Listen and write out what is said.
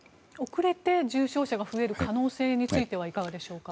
遅れて重症者が増える可能性についてはいかがでしょうか。